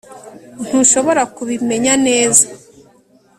ntushobora kubimenya neza